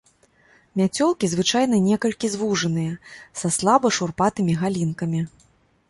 Мяцёлкі звычайна некалькі звужаныя, са слаба шурпатымі галінкамі.